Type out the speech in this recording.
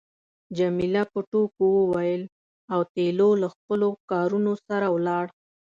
جميله په ټوکو وویل اوتیلو له خپلو کارونو سره ولاړ.